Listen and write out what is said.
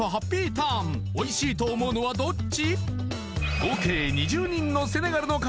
ターンおいしいと思うのはどっち？